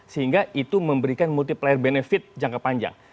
sehingga itu memberikan multiplier benefit jangka panjang